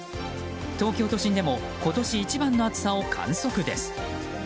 東京都心でも今年一番の暑さを観測です。